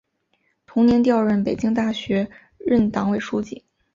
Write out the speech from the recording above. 同年调任北京大学任党委书记。